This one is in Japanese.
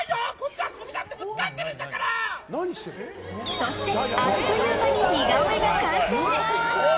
そして、あっという間に似顔絵が完成。